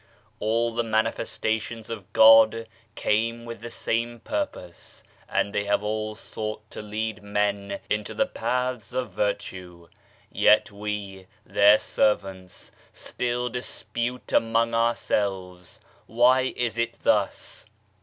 All the Manifestations of God came with the same purpose, and they have all sought to lead men into the paths of virtue. Yet we, their servants, still dispute among ourselves ! Why is it thus